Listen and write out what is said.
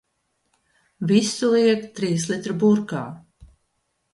Visu liek trīslitru burkā.